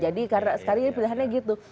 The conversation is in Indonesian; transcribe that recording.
jadi karena sepertinya pilihannya gitu